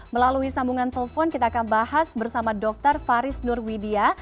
melalui sambungan telepon kita akan bahas bersama dr faris nurwidia